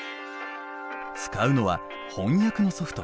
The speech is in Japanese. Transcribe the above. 使うのは翻訳のソフト。